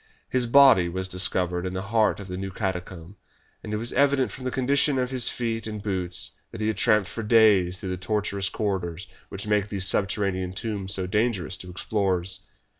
His body was discovered in the heart of the new catacomb, and it was evident from the condition of his feet and boots that he had tramped for days through the tortuous corridors which make these subterranean tombs so dangerous to explorers.